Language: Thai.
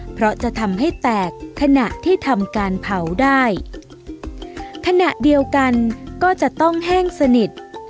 เพราะจะทำให้แตกขณะที่ทำการเผาได้ขณะเดียวกันก็จะต้องแห้งสนิท